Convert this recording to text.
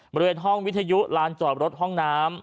บริเวณห้องวิทยุลานจอดรถห้องน้ำ